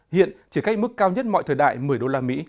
hiện chỉ cách mức cao nhất mọi thời đại một mươi usd